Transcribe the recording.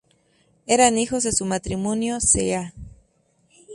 Eran hijos de su matrimonio ca.